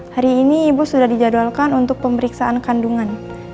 hari ini ibu sudah dijadwalkan untuk pemeriksaan kandungan